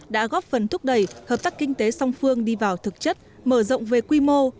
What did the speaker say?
đã góp phần thúc đẩy hợp tác kinh tế song phương đi vào thực chất mở rộng về quy mô